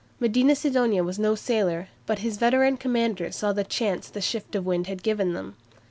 Medina Sidonia was no sailor, but his veteran commanders saw the chance the shift of the wind had given them.